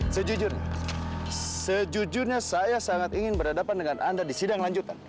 sejujurnya sejujurnya saya sangat ingin berhadapan dengan anda di sidang lanjutan